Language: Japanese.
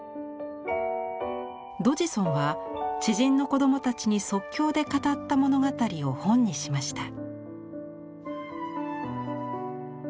ドジソンは知人の子供たちに即興で語った物語を本にしました。